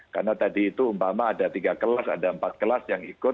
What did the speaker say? karena tadi itu umpama ada tiga kelas ada empat kelas yang ikut